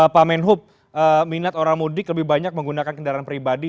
pak menhub minat orang mudik lebih banyak menggunakan kendaraan pribadi